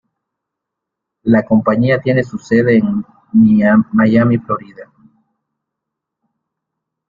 La compañía tiene su sede en Miami, Florida.